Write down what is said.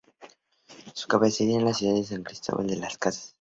Su cabecera es la ciudad de San Cristóbal de las Casas.